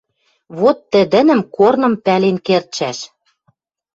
Вот тӹдӹнӹм корным пӓлен кердшӓш